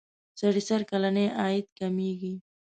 سړي سر کلنی عاید کمیږي.